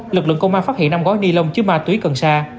lực lượng công an phát hiện năm gói ni lông chứa ma túy cần sa